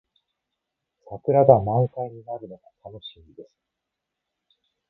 桜が満開になるのが楽しみです。